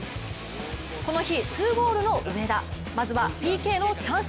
この日、２ゴールの上田まずはＰＫのチャンス。